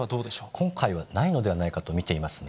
今回はないのではないかと見ていますね。